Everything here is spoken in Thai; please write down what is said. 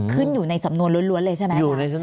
อยู่ในสำนวนล้วนเลยใช่ไหม